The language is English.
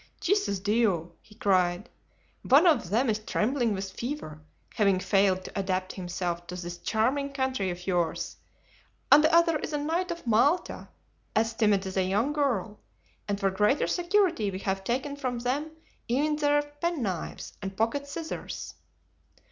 "Jesus Dieu!" he cried; "one of them is trembling with fever, having failed to adapt himself to this charming country of yours, and the other is a knight of Malta, as timid as a young girl; and for greater security we have taken from them even their penknives and pocket scissors."